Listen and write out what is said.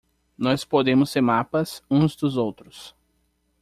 Nós podemos ser mapas uns dos outros